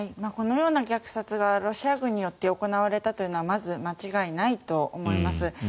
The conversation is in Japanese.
このような虐殺がロシア軍によって行われたというのはまず間違いないと思います。